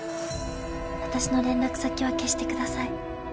「私の連絡先は消してください」